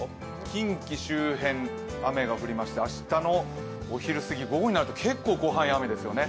近畿周辺、雨が降りまして明日のお昼過ぎ、午後になると結構、広範囲、雨ですよね。